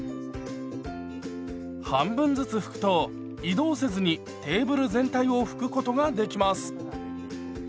半分ずつ拭くと移動せずにテーブル全体を拭くことができます。